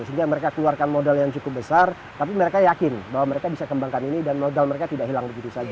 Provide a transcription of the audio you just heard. sehingga mereka keluarkan modal yang cukup besar tapi mereka yakin bahwa mereka bisa kembangkan ini dan modal mereka tidak hilang begitu saja